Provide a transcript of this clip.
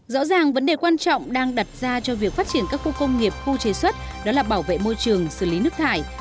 rõ ràng vấn đề quan trọng đang đặt ra cho việc phát triển các khu công nghiệp khu chế xuất đó là bảo vệ môi trường xử lý nước thải